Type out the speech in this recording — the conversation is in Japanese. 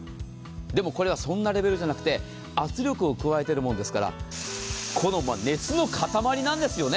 でも、これはそんなレベルじゃなくて、圧力を加えているものですからこの熱の塊なんですよね。